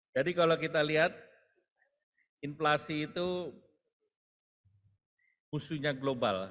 jadi kalau kita lihat inflasi itu musuhnya global